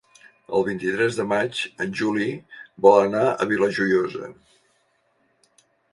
El vint-i-tres de maig en Juli vol anar a la Vila Joiosa.